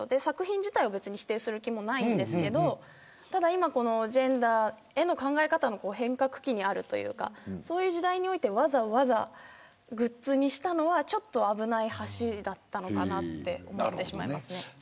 作品自体は否定する気もないんですけど、ジェンダーへの考え方の変革期にあるというかそういう時代においてわざわざグッズにしたのはちょっと危ない橋だったのかなって思ってしまいますね。